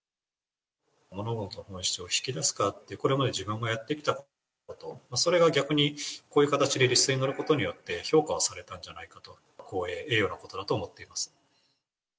物事の本質を引き出すか、これまで自分がやってきたこと、それが逆にこういう形でリストに載ることによって評価をされたんじゃないかと、光栄、栄誉なことだと思っています。